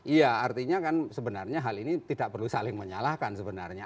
iya artinya kan sebenarnya hal ini tidak perlu saling menyalahkan sebenarnya